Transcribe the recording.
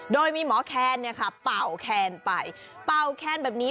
โดยมีหมอแคนเป๋าแคนส์แบบนี้